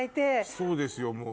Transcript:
そうですよもう。